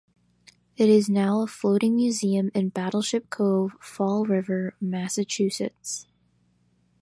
It is now a floating museum in Battleship Cove, Fall River, Massachusetts.